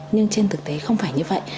nhưng trên thực tế không phải như vậy